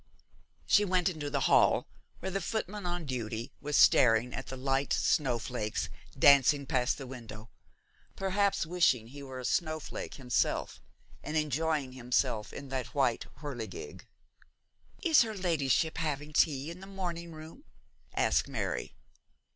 She went into the hall, where the footman on duty was staring at the light snowflakes dancing past the window, perhaps wishing he were a snowflake himself, and enjoying himself in that white whirligig. 'Is her ladyship having tea in the morning room?' asked Mary.